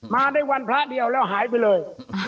มาได้วันพระเดียวแล้วหายไปเลย